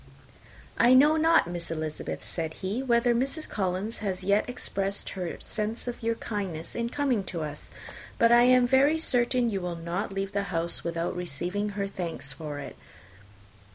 "I know not, Miss Elizabeth," said he, "whether Mrs. Collins has yet expressed her sense of your kindness in coming to us; but I am very certain you will not leave the house without receiving her thanks for it.